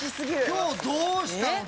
今日どうしたの？